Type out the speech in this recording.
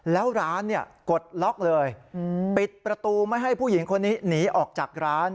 แล้วร้านกดล็อกเลยปิดประตูไม่ให้ผู้หญิงคนนี้หนีออกจากร้าน